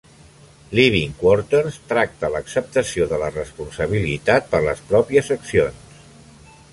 "Living Quarters" tracta l'acceptació de la responsabilitat per les pròpies accions.